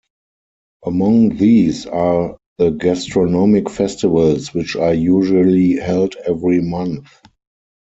Among these are the gastronomic festivals, which are usually held every month.